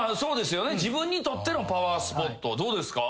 自分にとってのパワースポットどうですか？